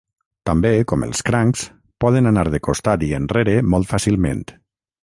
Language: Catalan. També, com els crancs, poden anar de costat i enrere molt fàcilment.